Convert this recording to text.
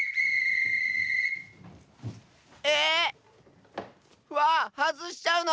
え⁉わはずしちゃうの？